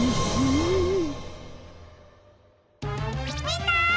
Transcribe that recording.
みんな！